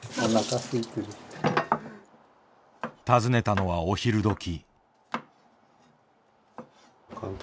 訪ねたのはお昼どき。